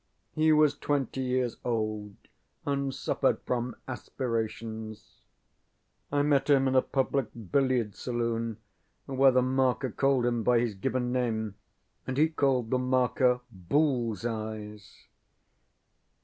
He was twenty years old and suffered from aspirations. I met him in a public billiard saloon where the marker called him by his given name, and he called the marker ŌĆ£Bulls eyes.